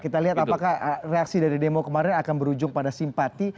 kita lihat apakah reaksi dari demo kemarin akan berujung pada simpati